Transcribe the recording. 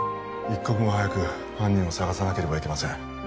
一刻も早く犯人を捜さなければいけません